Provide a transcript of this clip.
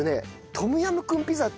トムヤムクンって。